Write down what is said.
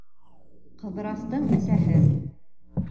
Ҡыҙырастың әсәһе: